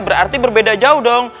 berarti berbeda jauh dong